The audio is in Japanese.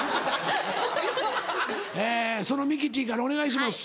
えそのミキティからお願いします。